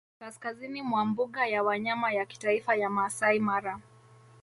kaskazini mwa mbuga ya wanyama ya kitaifa ya Maasai Mara